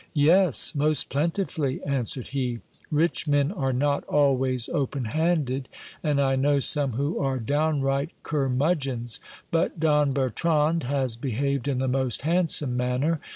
Yes, most plentifully, an swered he. Rkbjrien ape not always open banded ; and I know some who are downright curmudgeons ; but Don Bertrand has behaved in the most handsome manner.